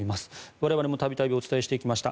我々も度々お伝えしてきました